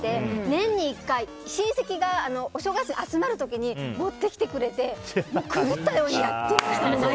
年に１回親戚がお正月に集まる時に持ってきてくれて狂ったようにやってましたね。